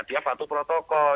dia batu protokol